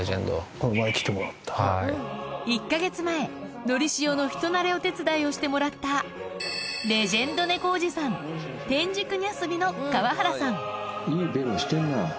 １か月前のりしおの人なれお手伝いをしてもらったレジェンド猫おじさんいいベロしてんな。